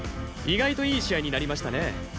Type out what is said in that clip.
意外といい試合になりましたね。